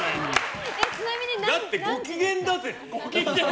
だって、ご機嫌だぜ。